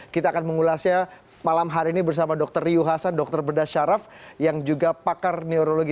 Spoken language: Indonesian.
kita akan mengulasnya malam hari ini bersama dr riu hasan dr beda syaraf yang juga pakar neurologi